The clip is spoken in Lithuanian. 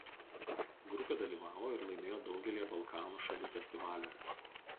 Grupė dalyvavo ir laimėjo daugelyje Balkanų šalių festivalių.